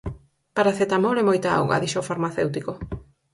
Paracetamol e moita auga, dixo o farmacéutico.